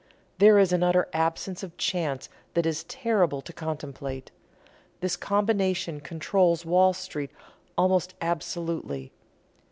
There is an utter absence of chance that is terrible to contemplate. This combination controls Wall Street almost absolutely.